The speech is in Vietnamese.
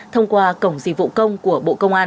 thông qua cổng dịch vụ công của bộ công an